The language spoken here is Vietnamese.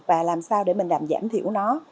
và làm sao để mình làm giảm thiểu nó